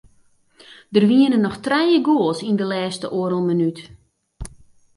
Der wiene noch trije goals yn de lêste oardel minút.